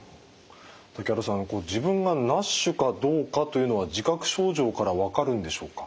竹原さん自分がＮＡＳＨかどうかというのは自覚症状から分かるんでしょうか？